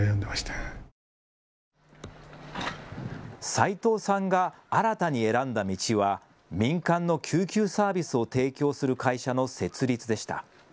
齋藤さんが新たに選んだ道は民間の救急サービスを提供する会社の設立でした。